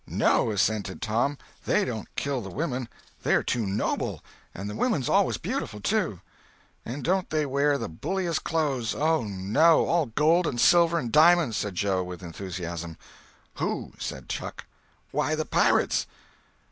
"No," assented Tom, "they don't kill the women—they're too noble. And the women's always beautiful, too. "And don't they wear the bulliest clothes! Oh no! All gold and silver and di'monds," said Joe, with enthusiasm. "Who?" said Huck. "Why, the pirates."